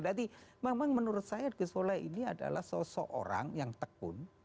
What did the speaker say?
tapi memang menurut saya ghosnola ini adalah seseorang yang tekun